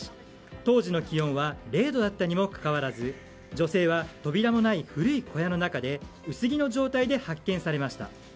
当時の気温は０度だったにもかかわらず女性は扉もない、古い小屋の中で薄着の状態で発見されました。